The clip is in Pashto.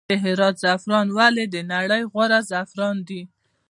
د هرات زعفران ولې د نړۍ غوره زعفران دي؟